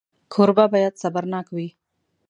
کوربه باید صبرناک وي.